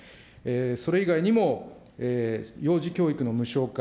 それ以外にも幼児教育の無償化、